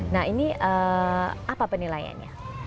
nah ini apa penilaiannya